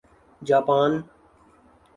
Japan